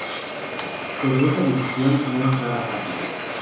Pero, esa decisión no es nada fácil.